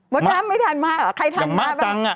พ่อดำไม่ทานมะหรอใครทานมะ